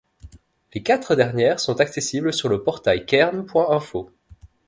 Les quatre dernières sont accessibles sur le portail Cairn.info.